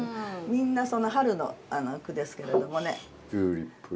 みんな春の句ですけれどもね。